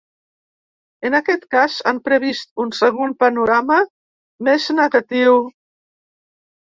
En aquest cas han previst un segon panorama més negatiu.